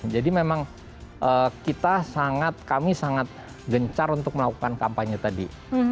jadi memang kita sangat kami sangat gencar untuk melakukan kampanye tadi